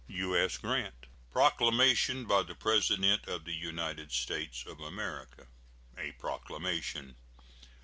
U.S. GRANT. PROCLAMATION. BY THE PRESIDENT OF THE UNITED STATES OF AMERICA. A PROCLAMATION.